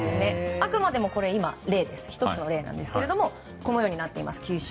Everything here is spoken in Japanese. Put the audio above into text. あくまでもこれは１つの例なんですけど球種はこのようになっています。